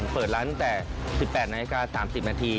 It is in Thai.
เปิดร้านตั้งแต่๑๘นาฬิกา๓๐นาที